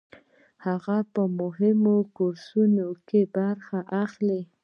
هغه په مهمو کورسونو کې برخه اخلي.